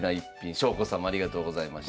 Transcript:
翔子さんもありがとうございました。